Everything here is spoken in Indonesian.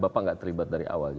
bapak nggak terlibat dari awal